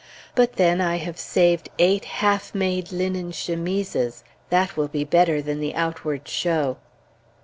But then, I have saved eight half made linen chemises! that will be better than the outward show.